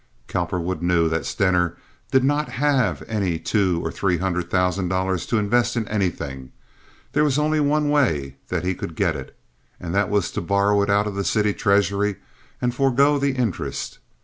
Cowperwood knew that Stener did not have any two or three hundred thousand dollars to invest in anything. There was only one way that he could get it—and that was to borrow it out of the city treasury and forego the interest.